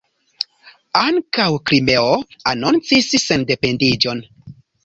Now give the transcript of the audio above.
Ankaŭ Krimeo anoncis sendependiĝon.